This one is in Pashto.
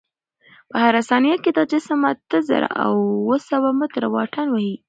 په هره ثانیه کې دا جسم اته زره اوه سوه متره واټن وهي.